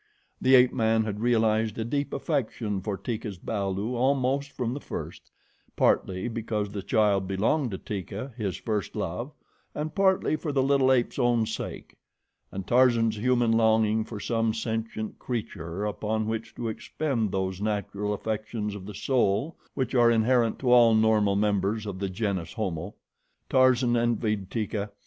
The ape man had realized a deep affection for Teeka's balu almost from the first, partly because the child belonged to Teeka, his first love, and partly for the little ape's own sake, and Tarzan's human longing for some sentient creature upon which to expend those natural affections of the soul which are inherent to all normal members of the GENUS HOMO. Tarzan envied Teeka.